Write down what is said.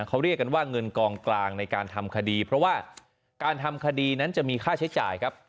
เขาเรียกกันว่าเงินกองกลางในการทำคดีเพราะว่าการทำคดีนั้นจะมีค่าใช้จ่ายครับ